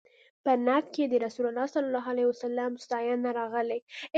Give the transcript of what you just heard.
په نعت کې د رسول الله صلی الله علیه وسلم ستاینه راغلې.